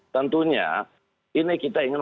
tentunya ini kita ingin